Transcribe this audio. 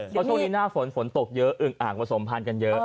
เราโดดมี่หน้าฝนตกเยอะอึ่งอ่างผสมธารกันเยอะ